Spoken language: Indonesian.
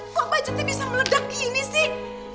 wah budgetnya bisa meledak gini sih